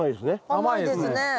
甘いですね。